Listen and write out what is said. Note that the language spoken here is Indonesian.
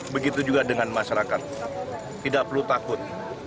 begitu juga dengan masyarakat tidak perlu takut